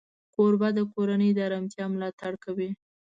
کوربه د کورنۍ د آرامتیا ملاتړ کوي.